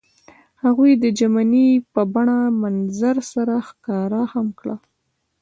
هغوی د ژمنې په بڼه منظر سره ښکاره هم کړه.